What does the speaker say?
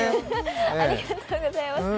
ありがとうございます。